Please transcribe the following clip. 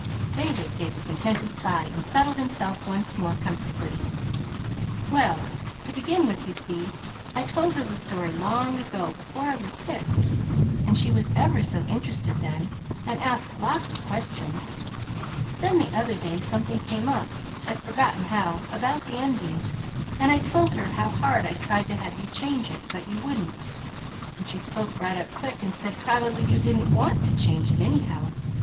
David gave a contented sigh, and settled himself more comfortably. "Well, to begin with, you see, I told her the story long ago, before I was sick, and she was ever so interested then, and asked lots of questions. Then the other day something came up I've forgotten how about the ending, and I told her how hard I'd tried to have you change it, but you wouldn't. And she spoke right up quick and said probably you didn't want to change it, anyhow.